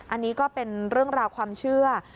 อันนี้ก็เป็นเรื่องราวความเชื่อ